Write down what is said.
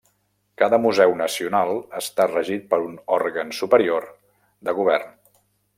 Cada museu nacional està regit per un òrgan superior de govern.